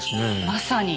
まさに。